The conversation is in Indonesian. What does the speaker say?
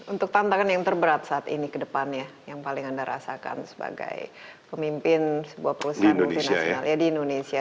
untuk tantangan yang terberat saat ini ke depannya yang paling anda rasakan sebagai pemimpin sebuah perusahaan multinasional ya di indonesia